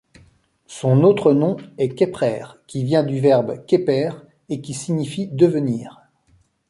Son autre nom est Kheprer, qui vient du verbe Kheper et qui signifie devenir.